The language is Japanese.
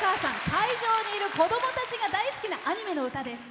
会場にいる子どもたちが大好きなアニメの歌です。